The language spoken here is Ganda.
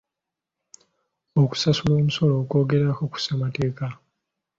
Okusasula omusolo kwogerwako mu ssemateeka.